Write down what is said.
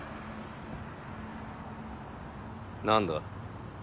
何だ？